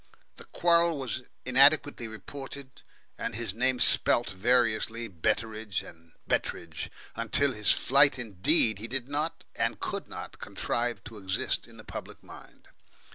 The quarrel was inadequately reported, and his name spelt variously Betteridge and Betridge. Until his flight indeed, he did not and could not contrive to exist in the public mind.